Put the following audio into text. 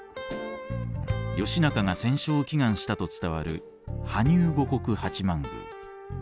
義仲が戦勝を祈願したと伝わる埴生護国八幡宮。